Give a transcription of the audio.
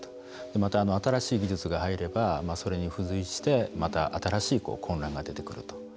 また新しい技術が入ればそれに付随してまた新しい混乱が出てくると。